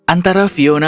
antara fiona dan amanda